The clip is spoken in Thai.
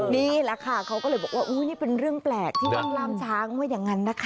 นี่แหละค่ะเขาก็เลยบอกว่าอุ้ยนี่เป็นเรื่องแปลกที่ต้องล่ามช้างว่าอย่างนั้นนะคะ